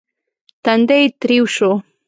تندی يې تريو شو.